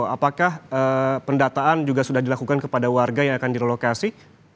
apakah pendataan juga sudah dilakukan kepada warga yang akan direlokasi